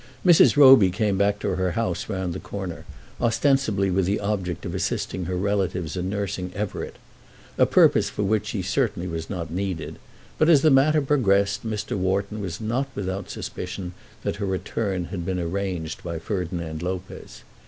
Mrs. Roby came back to her house round the corner, ostensibly with the object of assisting her relatives in nursing Everett, a purpose for which she certainly was not needed; but, as the matter progressed, Mr. Wharton was not without suspicion that her return had been arranged by Ferdinand Lopez.